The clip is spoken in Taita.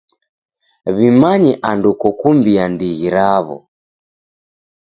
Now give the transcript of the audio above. W'imanye andu kokumbia ndighi raw'o.